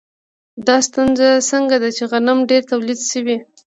دا ستونزه ځکه ده چې غنم ډېر تولید شوي